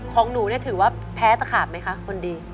ของหนูเนี่ยถือว่าแพ้ตะขาบไหมคะคนดี